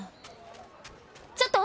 ちょっと！